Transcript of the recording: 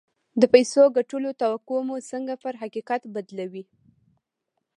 د پيسو ګټلو توقع مو څنګه پر حقيقت بدلوي؟